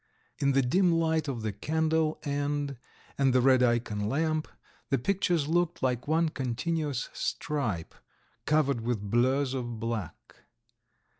In the dim light of the candle end and the red ikon lamp the pictures looked like one continuous stripe, covered with blurs of black.